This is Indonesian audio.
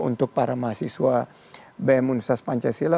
untuk para mahasiswa bm universitas pancasila